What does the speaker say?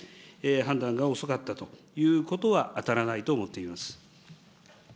判断が遅かったということは当たらないと思っています。